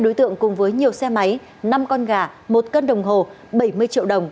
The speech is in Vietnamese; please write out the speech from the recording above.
ba đối tượng cùng với nhiều xe máy năm con gà một cân đồng hồ bảy mươi triệu đồng